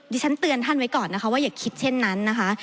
ฉันเตือนท่านไว้ก่อนนะคะว่าอย่าคิดเช่นนั้นนะคะ